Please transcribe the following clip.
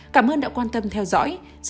cảm ơn đã quan tâm theo dõi xin chào và hẹn gặp lại